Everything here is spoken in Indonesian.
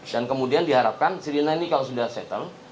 dan kemudian diharapkan sirine ini kalau sudah settle